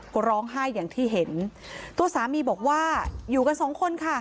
ก็ร้องไห้อย่างที่เห็นตัวสามีบอกว่าอยู่กันสองคนค่ะ